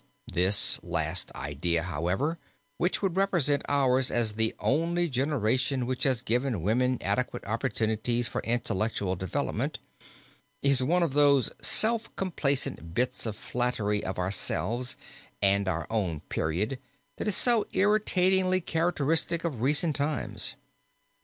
This last idea, however, which would represent ours as the only generation which has given women adequate opportunities for intellectual development, is one of those self complacent bits of flattery of ourselves and our own period that is so irritatingly characteristic of recent times.